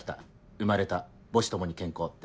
「生まれた母子共に健康」って。